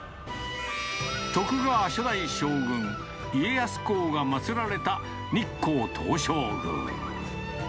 徳川初代将軍、家康公がまつられた日光東照宮。